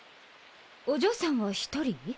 お嬢さんは一人？